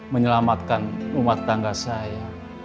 menyelamatkan umat tangga saya